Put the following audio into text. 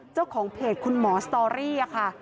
เจ้าของเพจคุณหมอสตอรี่ค่ะ